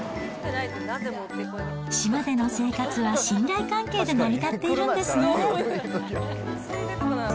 島での生活は信頼関係で成り立っているんですね。